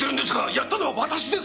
やったのは私です！